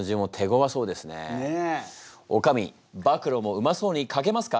おかみ「暴露」もうまそうに書けますか？